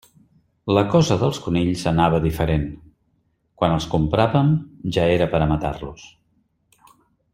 La cosa dels conills anava diferent: quan els compràvem ja era per a matar-los.